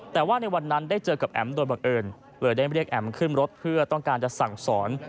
แต่ว่าในวันนั้นได้เจอกับแอ๋มโดยบังเอิญเลยได้เรียกแอมขึ้นรถเพื่อต้องการจะสั่งสอน